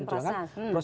sesuai dengan proses